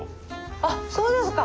あっそうですか。